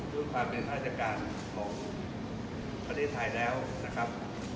ด้วยพระเบียงพระราชการของประเทศไทยแล้วนะครับ